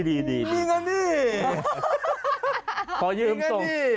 มีเงินที่